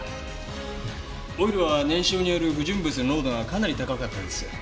オイルは燃焼による不純物の濃度がかなり高かったです。